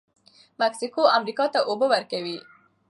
مکسیکو امریکا ته اوبه ورکوي.